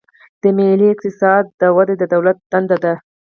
د ملي اقتصاد وده د دولت دنده ده.